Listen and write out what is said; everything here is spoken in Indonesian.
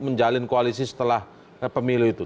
menjalin koalisi setelah pemilu itu